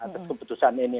atas keputusan ini